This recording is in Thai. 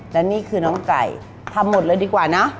และนี่คือน้องไก่ทำหมดเลยดีกว่านะ